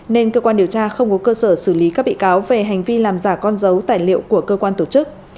nên cơ quan điều tra không có cơ sở xử lý các bị cáo về hành vi làm giả con dấu tài liệu của cơ quan tổ chức